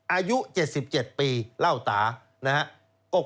อายุ๗๗ปีเล่าตานะครับ